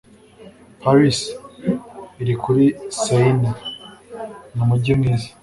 Paris, iri kuri Seine, ni umujyi mwiza.